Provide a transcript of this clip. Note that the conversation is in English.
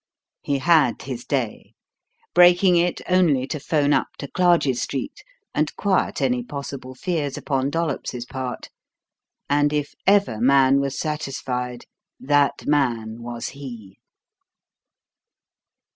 He had his day breaking it only to 'phone up to Clarges Street and quiet any possible fears upon Dollops's part and if ever man was satisfied, that man was he.